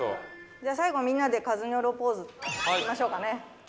じゃあ最後みんなでカズニョロポーズしましょうかね。